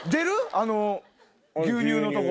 あの「牛乳」のとこ。